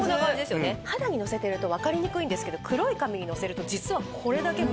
肌にのせてると分かりにくいんですけど黒い紙にのせると実はこれだけむらが。